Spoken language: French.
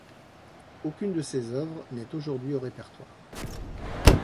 Aucune de ses œuvres n'est aujourd'hui au répertoire.